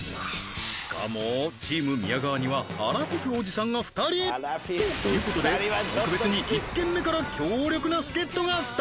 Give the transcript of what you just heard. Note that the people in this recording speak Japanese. しかもチーム宮川にはアラフィフおじさんが２人ということで特別に１軒目から強力な助っ人が２人！